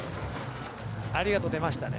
ありがとう出ましたね。